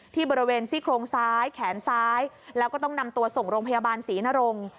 ที่บริเวณซี่โครงซ้ายแขนซ้ายแล้วก็ต้องนำตัวส่งโรงพยาบาลศรีนรงค์